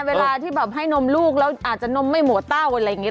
เวลาที่แบบให้นมลูกแล้วอาจจะนมไม่หัวเต้าอะไรอย่างนี้